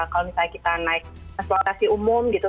kalau misalnya kita naik transportasi umum gitu